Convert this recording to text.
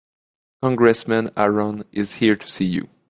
Congressman Aaron is here to see you.